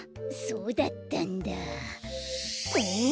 そうだったんだ。